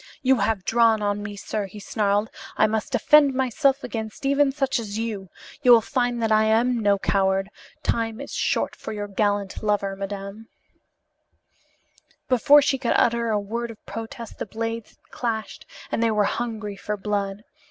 "You have drawn on me, sir," he snarled. "I must defend myself against even such as you. You will find that I am no coward. Time is short for your gallant lover, madam." Before she could utter a word of protest the blades had clashed and they were hungry for blood.